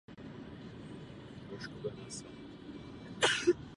Jan z Jičína působil na univerzitě v Praze.